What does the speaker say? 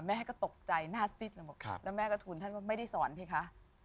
แม่ก็ตกใจหน้าซิดแล้วแม่ก็ถูกคุณท่านว่าไม่ได้สอนพี่คะ